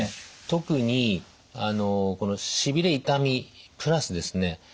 特にしびれ痛みプラスですね